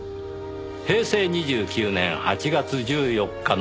平成２９年８月１４日の夜。